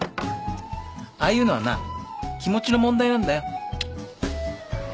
ああいうのはな気持ちの問題なんだよ。